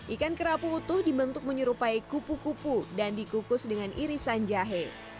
ikan kerapu utuh dibentuk menyerupai kupu kupu dan dikukus dengan irisan jahe